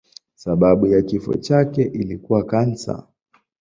Sababu ya kifo chake ilikuwa kansa.